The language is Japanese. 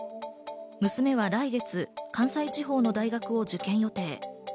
娘は来月、関西地方の大学を受験予定。